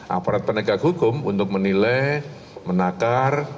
aparat penegak hukum untuk menilai menakar